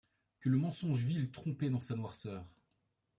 Que le mensonge vil, trompé dans sa noirceur